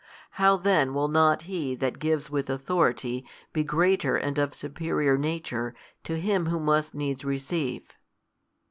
How then will not He That gives with Authority be greater and of Superior Nature to Him Who must needs receive?"